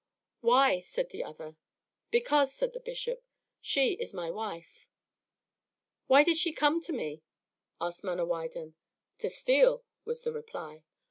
"Why?" said the other. "Because," said the bishop, "she is my wife." "Why did she come to me?" asked Manawydan. "To steal," was the reply.